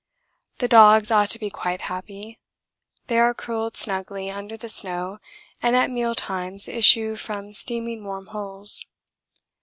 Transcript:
The dogs ought to be quite happy. They are curled snugly under the snow and at meal times issue from steaming warm holes.